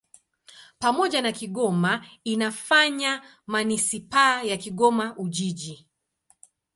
Pamoja na Kigoma inafanya manisipaa ya Kigoma-Ujiji.